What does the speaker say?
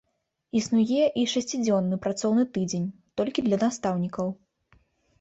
Існуе і шасцідзённы працоўны тыдзень, толькі для настаўнікаў.